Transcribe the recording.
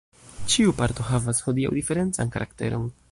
Ĉiu parto havas hodiaŭ diferencan karakteron.